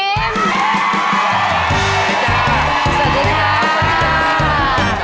สวัสดีค่ะ